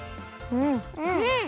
うん！